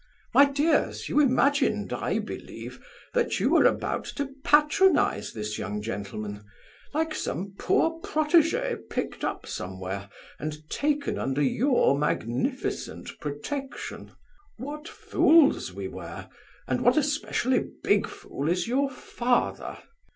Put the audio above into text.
My dears, you imagined, I believe, that you were about to patronize this young gentleman, like some poor protégé picked up somewhere, and taken under your magnificent protection. What fools we were, and what a specially big fool is your father!